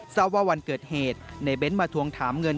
ทราบว่าวันเกิดเหตุในเบ้นมาทวงถามเงิน